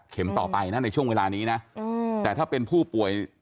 ต่อไปนะในช่วงเวลานี้นะแต่ถ้าเป็นผู้ป่วย